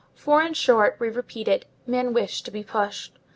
For, in short, we repeat it, men wish to be pushed.